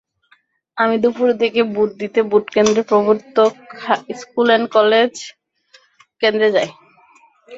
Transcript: আমি দুপুরের দিকে ভোট দিতে ভোটকেন্দ্র প্রবর্তক স্কুল অ্যান্ড কলেজ কেন্দ্রে যাই।